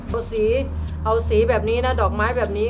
เอาสีเอาสีแบบนี้นะดอกไม้แบบนี้